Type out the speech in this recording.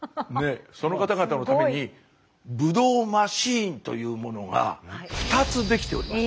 その方々のためにブドウマシーンというものが２つ出来ております。